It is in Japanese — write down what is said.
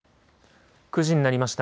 ９時になりました。